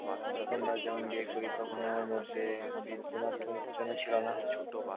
প্রথম বার যখন বিয়ে করি, তখনো আমার মধ্যে বিন্দুমাত্র উত্তেজনা ছিল না।